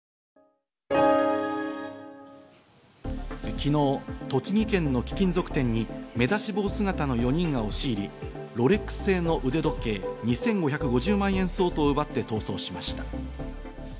昨日、栃木県の貴金属店に目出し帽姿の４人が押し入り、ロレックス製の腕時計２５５０万円相当を奪って逃走しました。